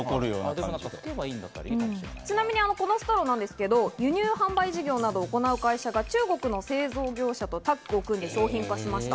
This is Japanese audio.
ちなみにストローですが輸入販売事業などを行う会社が中国の製造業者とタッグを組んで商品化しました。